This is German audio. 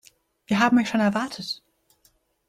Wir haben euch schon erwartet.